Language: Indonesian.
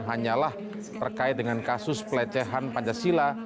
hanyalah terkait dengan kasus pelecehan pancasila